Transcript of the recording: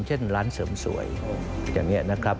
เช่นร้านเสริมสวยอย่างนี้นะครับ